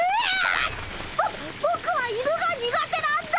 ぼぼくは犬が苦手なんだ！